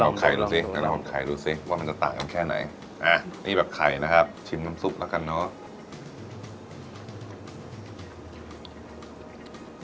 น้ำไข่ดูซิร็อมไข่ดูซิว่ามันจะต่างแค่ไหนอ่ะนี่ตะไขนะครับชิมน้ำซุปแล้วกันเนอะ